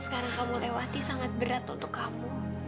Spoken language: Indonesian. sekarang kamu lewati sangat berat untuk kamu